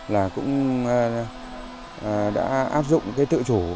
là cũng đã áp dụng cái tự chủ